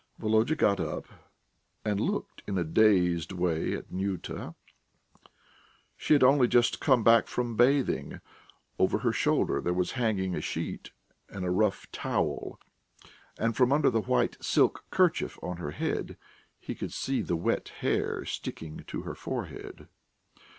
Volodya got up and looked in a dazed way at Nyuta. She had only just come back from bathing. Over her shoulder there was hanging a sheet and a rough towel, and from under the white silk kerchief on her head he could see the wet hair sticking to her forehead.